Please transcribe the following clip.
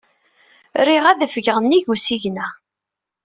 Riɣ ad afgeɣ nnig usigna.